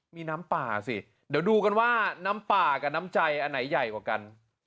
มีน้ำป่าสิเดี๋ยวดูกันว่าน้ำป่ากับน้ำใจอันไหนใหญ่กว่ากัน